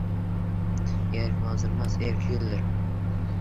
Erk – manzilmas, erk – yo‘ldir